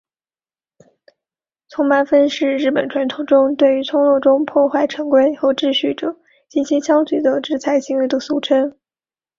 村八分是日本传统中对于村落中破坏成规和秩序者进行消极的制裁行为的俗称。